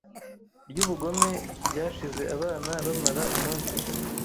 ryubugome ryashize Abana bamara umunsi